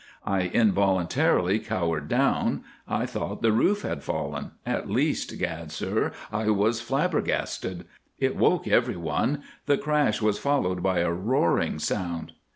I involuntarily cowered down. I thought the roof had fallen—at least, gad, sir, I was flabbergasted. It woke everyone. The crash was followed by a roaring sound."